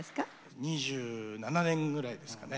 ２７年ぐらいですかね。